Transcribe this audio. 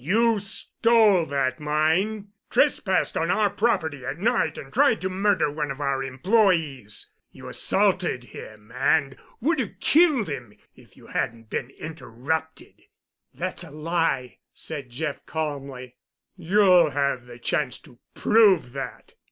You stole that mine—trespassed on our property at night and tried to murder one of our employes. You assaulted him and would have killed him if you hadn't been interrupted——" "That's a lie!" said Jeff calmly. "You'll have a chance to prove that.